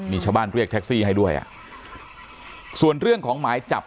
มีชาวบ้านเรียกแท็กซี่ให้ด้วยอ่ะส่วนเรื่องของหมายจับ